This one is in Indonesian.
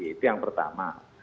itu yang pertama